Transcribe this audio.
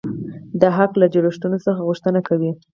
دا حق له جوړښتونو څخه غوښتنه کوي.